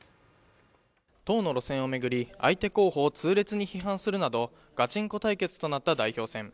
党の路線を巡り、相手候補を痛烈に批判するなどガチンコ対決となった代表選。